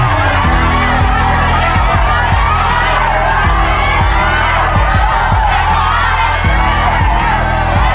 ว้าวโจทย์ซีฟู้ดจำนวน๑๐ไม้